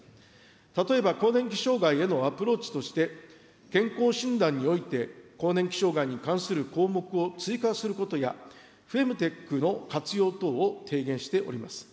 例えば更年期障害へのアプローチとして、健康診断において、更年期障害に関する項目を追加することや、フェムテックの活用等を提言しております。